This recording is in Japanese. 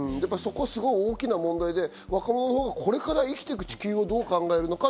大きな問題で若者も、これから生きていく地球をどう考えるのか。